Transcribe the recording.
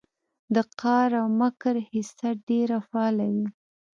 د قار او مکر حصه ډېره فعاله وي